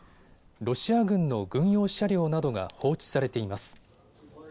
ロシア軍の軍用車両などが放置されています。